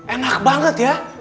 enak banget ya